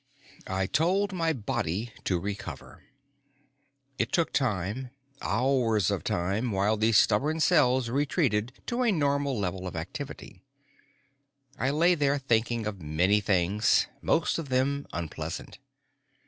I told my body to recover. It took time, hours of time, while the stubborn cells retreated to a normal level of activity. I lay there thinking of many things, most of them unpleasant.